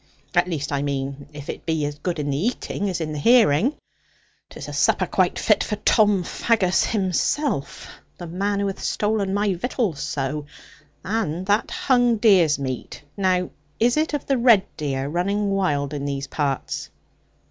At least, I mean, if it be as good in the eating as in the hearing. 'Tis a supper quite fit for Tom Faggus himself, the man who hath stolen my victuals so. And that hung deer's meat, now is it of the red deer running wild in these parts?'